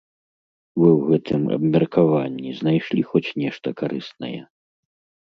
Вы ў гэтым абмеркаванні знайшлі хоць нешта карыснае?